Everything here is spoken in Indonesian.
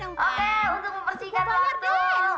oke untuk mempersihkan waktu